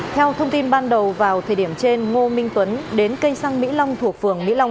theo thông tin ban đầu vào thời điểm trên ngô minh tuấn đến cây xăng mỹ long thuộc phường mỹ long